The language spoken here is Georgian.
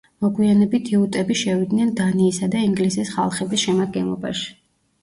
მოგვიანებით იუტები შევიდნენ დანიისა და ინგლისის ხალხების შემადგენლობაში.